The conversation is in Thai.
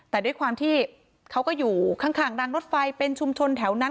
แต่ด้วยความที่เขาก็อยู่ข้างรางรถไฟเป็นชุมชนแถวนั้น